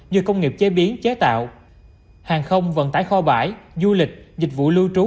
như công nghiệp chế biến chế tạo hàng không vận tải kho bãi du lịch dịch vụ lưu trú